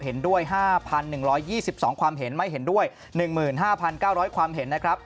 เห็นด้วย๕๑๒๒ความเห็นไม่เห็นด้วย๑๕๙๐๐ความเห็นนะครับ